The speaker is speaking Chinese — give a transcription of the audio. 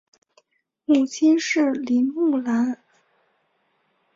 母亲是林慕兰。